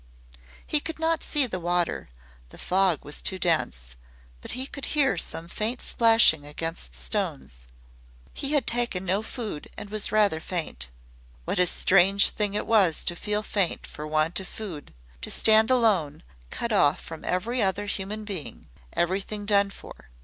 He could not see the water, the fog was too dense, but he could hear some faint splashing against stones. He had taken no food and was rather faint. What a strange thing it was to feel faint for want of food to stand alone, cut off from every other human being everything done for.